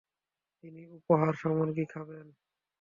তিনি উপহার সামগ্রী খাবেন।